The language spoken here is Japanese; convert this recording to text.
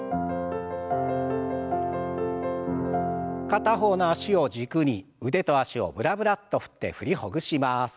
片方の脚を軸に腕と脚をブラブラッと振って振りほぐします。